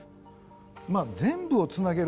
まあ全部を繋げる。